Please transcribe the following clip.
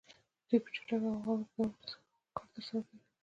دوی په چټک او غوره ډول کار ترسره کوي